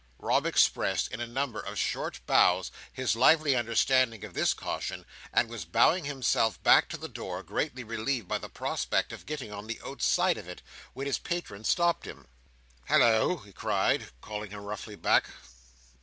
Rob expressed in a number of short bows his lively understanding of this caution, and was bowing himself back to the door, greatly relieved by the prospect of getting on the outside of it, when his patron stopped him. "Halloa!" he cried, calling him roughly back.